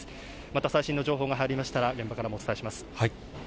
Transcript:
また最新情報が入りましたら、現場からもお伝えします。